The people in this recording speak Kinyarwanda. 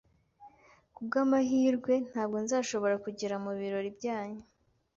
Kubwamahirwe, ntabwo nzashobora kugera mubirori byanyu